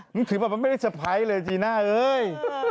หนึ่งถือออกมาแบบไม่ได้สะพายเลยจีน่าเฮ้ย